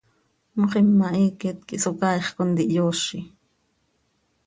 Moxima hiiquet quih Socaaix contihyoozi.